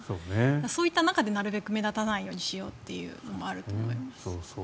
そういった中でなるべく目立たないようにしようっていうのもあると思います。